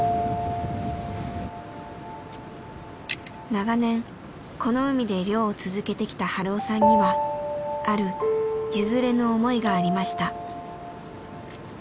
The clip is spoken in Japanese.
長年この海で漁を続けてきた春雄さんにはある「譲れぬ思い」がありました。